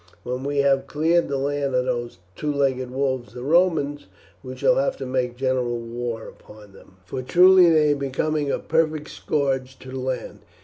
When we have cleared the land of those two legged wolves the Romans, we shall have to make a general war upon them, for truly they are becoming a perfect scourge to the land.